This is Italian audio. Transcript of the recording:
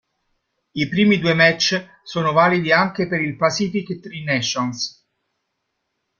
I primi due match sono validi anche per il "Pacific Tri-nations"